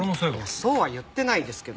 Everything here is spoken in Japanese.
そうは言ってないですけど。